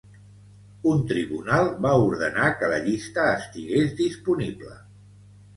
Un tribunal va ordenar que la llista estigués disponible.